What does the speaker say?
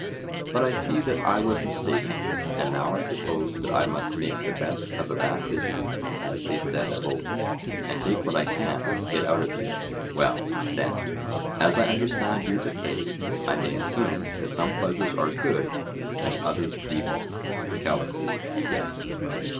But I see that I was mistaken; and now I suppose that I must make the best of a bad business, as they said of old, and take what I can get out of you.—Well, then, as I understand you to say, I may assume that some pleasures are good and others evil? CALLICLES: Yes.